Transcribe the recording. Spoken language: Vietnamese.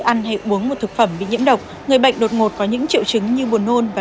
ăn hay uống một thực phẩm bị nhiễm độc người bệnh đột ngột có những triệu chứng như buồn nôn và